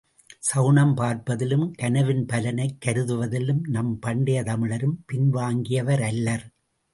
சகுனம் பார்ப்பதிலும் கனவின் பலனைக் கருதுவதிலும் நம் பண்டைய தமிழரும் பின்வாங்கியவரல்லர்.